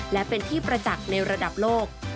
และเป็นที่ประจักษ์ในระดับโลก